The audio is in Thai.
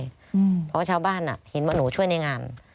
เพราะว่าชาวบ้านเห็นว่าหนูช่วยในงาน